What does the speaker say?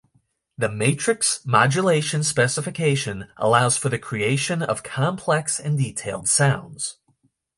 The Matrix Modulation specification allows for the creation of complex and detailed sounds.